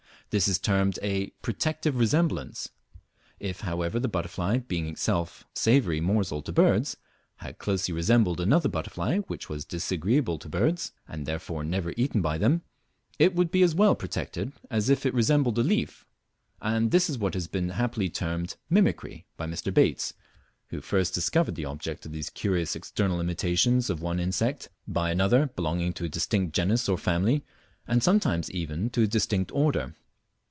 This is termed a "protective resemblance." If however the butterfly, being itself savoury morsel to birds, had closely resembled another butterfly which was disagreeable to birds, and therefore never eaten by them, it would be as well protected as if it resembled a leaf; and this is what has been happily termed "mimicry" by Mr. Bates, who first discovered the object of these curious external imitations of one insect by another belonging to a distinct genus or family, and sometimes even to a distinct order.